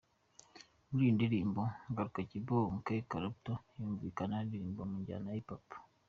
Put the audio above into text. Muri iyi ndirimbo 'Garuka', Kibonke Clapton yumvikana aririmba mu njyana ya Hiphop.